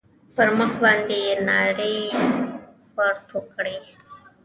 پر مخ باندې يې ناړې ورتو کړې.